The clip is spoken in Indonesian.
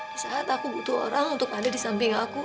di saat aku butuh orang untuk ada di samping aku